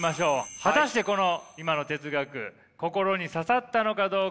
果たしてこの今の哲学心に刺さったのかどうか。